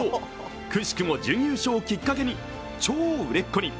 奇しくも準優勝をきっかけに、超売れっ子に。